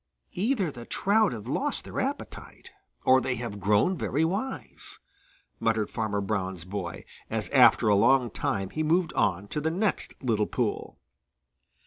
"Either the trout have lost their appetite or they have grown very wise," muttered Farmer Brown's boy, as after a long time he moved on to the next little pool.